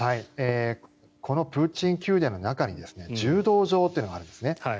このプーチン宮殿の中に柔道場というのがあるんです。